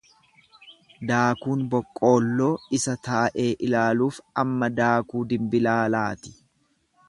Daakuun boqqoolloo isa taa'ee ilaaluuf amma daakuu dinbilaalaati.